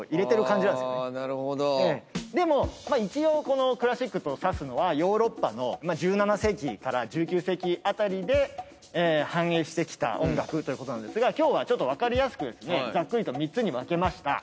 でも一応このクラシックと指すのはヨーロッパの１７世紀から１９世紀辺りで繁栄してきた音楽ということなんですが今日は分かりやすくですねざっくりと３つに分けました。